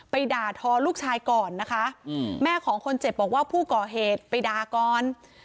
ด่าทอลูกชายก่อนนะคะแม่ของคนเจ็บบอกว่าผู้ก่อเหตุไปด่าก่อน